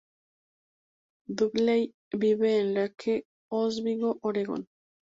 Dudley vive en Lake Oswego, Oregon.